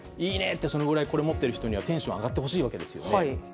ってそれぐらいこれを持っている人にはテンション上がってほしいわけですよね。